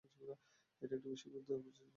এটা একটা বিশ্বব্যাপী উদ্ধার প্রচেষ্টা হয়ে উঠেছে।